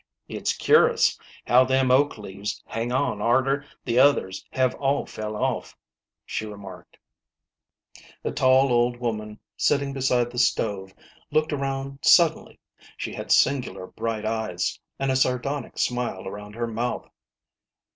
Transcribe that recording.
" It's cur'us how them oak leaves hang on arter the others have all fell off," she remarked. A tall old woman sitting beside the stove looked around suddenly. She had singular bright eyes, and a sardonic smile around her mouth.